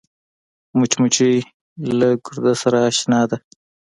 مچمچۍ له ګرده سره اشنا ده